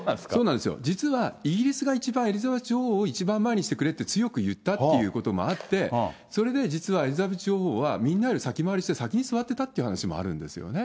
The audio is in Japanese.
実はイギリスが一番、エリザベス女王を一番前にしてくれって、強く言ったっていうこともあって、それで実は、エリザベス女王は、みんなより先回りして、先に座ってたっていう話もあるんですよね。